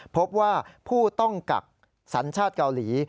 พบว่าผู้ต้องกักสัญชาติเกาหลี